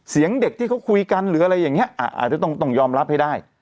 เสียงเด็กที่เขาคุยกันหรืออะไรอย่างนี้อาจจะต้องยอมรับให้ได้